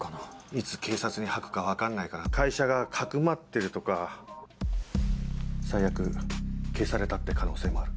いつ警察に吐くか分かんないから会社がかくまってるとか最悪消されたって可能性もある。